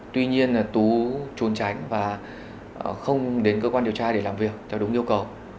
tuy nhiên tú trốn tránh và không đến cơ quan điều tra để làm việc theo đúng yêu cầu